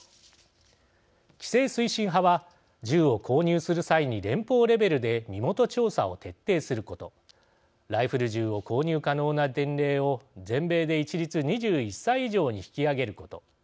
規制推進派は銃を購入する際に連邦レベルで身元調査を徹底することライフル銃を購入可能な年齢を全米で一律２１歳以上に引き上げること